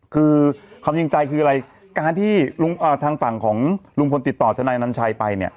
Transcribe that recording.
คือความจริงใจคืออะไรการที่ทางฝั่งของลุงพลติดต่อทนายนัญชัยไปเนี่ย